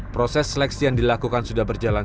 proses seleksi yang dilakukan sudah berjalan